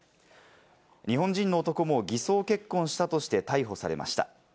日本人の男も偽装結婚したとして逮捕されました。